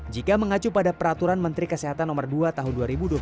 jika mengacu pada peraturan menteri kesehatan no dua tahun dua ribu dua puluh